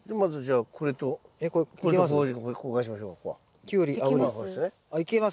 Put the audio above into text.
あいけます？